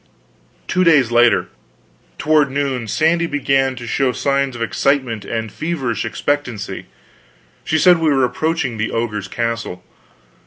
Two days later, toward noon, Sandy began to show signs of excitement and feverish expectancy. She said we were approaching the ogre's castle.